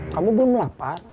kamu belum lapar